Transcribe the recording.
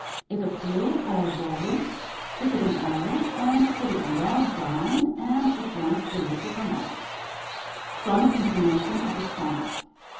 If a pill or bolus, dip it in oil, and put it well down and against the roof of her mouth. _Chronic inflammation of the stomach.